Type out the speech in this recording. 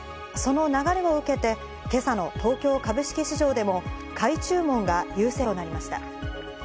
その流れを受けて、今朝の東京株式市場でも買い注文が優勢となりました。